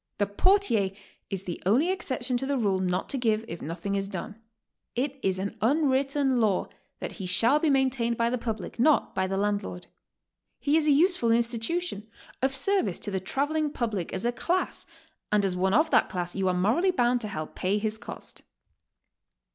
The portier is the only exception to the rule not to give if nothing is done. It is an unwritten law that he shall be maintained by the public, not by the landlord. He is a useful institution, of service to the traveling public as a class, and 172 GOING ABROAD? V as one of that class, you are morally bound to help pay his cost.